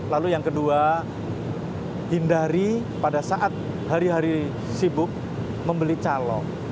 lalu yang kedua hindari pada saat hari hari sibuk membeli calok